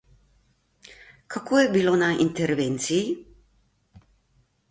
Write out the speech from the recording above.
Kako je bilo na intervenciji?